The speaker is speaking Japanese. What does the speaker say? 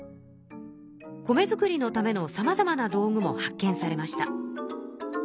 米作りのためのさまざまな道具も発見されました。